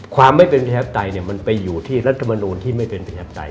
ความไม่เป็นประชาธิปไตยมันไปอยู่ที่รัฐมนูลที่ไม่เป็นประชาปไตย